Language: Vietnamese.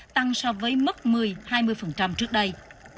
tăng so với mức một mươi hai mươi trước đây